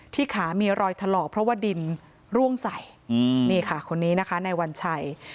ขามีรอยถลอกเพราะว่าดินร่วงใสนี่ค่ะคนนี้นะคะในวันชัย